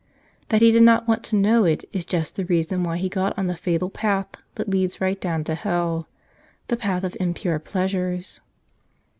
That he did not want to know it is just the reason why he got on the fatal path that leads right down to hell, the path of impure pleasures.